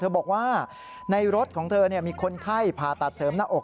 บอกว่าในรถของเธอมีคนไข้ผ่าตัดเสริมหน้าอก